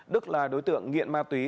đức là đối tượng nghiện ma túy